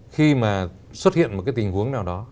khi mà xuất hiện một cái tình huống nào đó